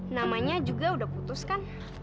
namanya juga udah putus kan